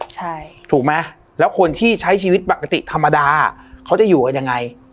ใช่ถูกไหมแล้วคนที่ใช้ชีวิตปกติธรรมดาเขาจะอยู่กันยังไง